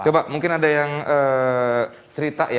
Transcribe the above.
coba mungkin ada yang cerita ya